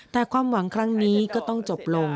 แต่ความหวังครั้งนี้ก็ต้องจบลง